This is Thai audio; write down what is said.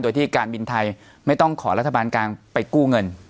โดยที่การบินไทยไม่ต้องขอรัฐบาลกลางไปกู้เงิน